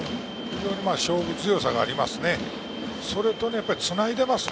非常に勝負強さがあります。